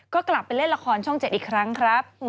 ก็กลับไปเล่นละครช่อง๗อีกครั้งครับ